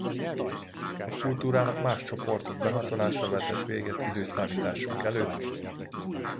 A kultúrának más csoportok behatolása vetett véget i.e.